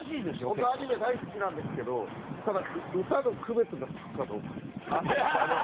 僕アニメ大好きなんですけどただ歌の区別がつくかどうか。